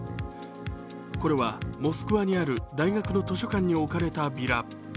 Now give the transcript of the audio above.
これはモスクワにある大学の図書館に置かれたビラ。